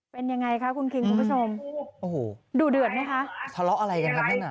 เป็นยังไงคะคุณคิงคุณผู้ชมโอ้โหดูเดือดไหมคะทะเลาะอะไรกันครับนั่นน่ะ